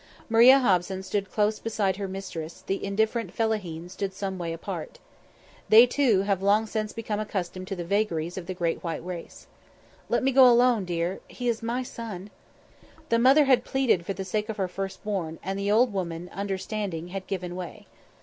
Maria Hobson stood close beside her mistress; the indifferent fellaheen stood some little way apart. They, too, have long since become accustomed to the vagaries of the great white races. "Let me go alone, dear. He is my son!" The mother had pleaded for the sake of her first born, and the old woman, understanding, had given way.